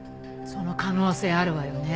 その可能性あるわよね。